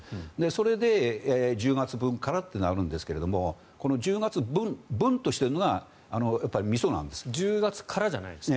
それで１０月分からとなるんですがこの１０月分としているのがみそなんですね。